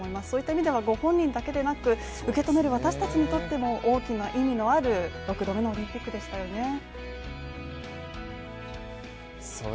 そういった意味ではご本人だけでなく受け止める私たちにとっても大きな意味のある、６度目のオリンピックでしたよね。